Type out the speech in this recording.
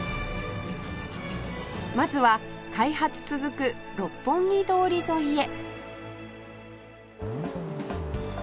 まずは開発続く六本木通り沿いへ